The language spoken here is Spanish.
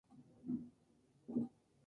Estas dos rutas, son caminos de tierra.